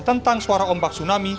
tentang suara ombak tsunami